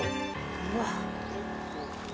うわっ。